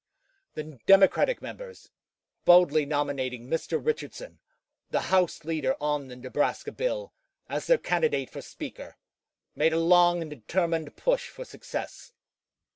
The Democratic members, boldly nominating Mr. Richardson, the House leader on the Nebraska bill, as their candidate for Speaker, made a long and determined push for success.